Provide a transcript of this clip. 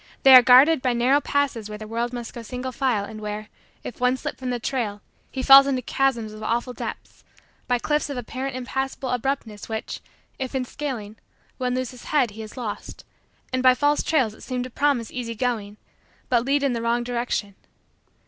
They are guarded by narrow passes where the world must go single file and where, if one slip from the trail, he falls into chasms of awful depths; by cliffs of apparent impassable abruptness which, if in scaling, one lose his head he is lost; and by false trails that seem to promise easy going but lead in the wrong direction.